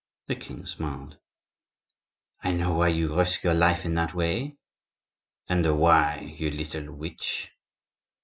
The king smiled. "I know why you risk your life in that way." "And why, you little witch?"